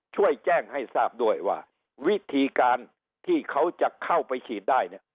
ช่วยแจ้งให้ทราบด้วยว่าวิธีการที่เขาจะเข้าไปฉีดได้เนี่ย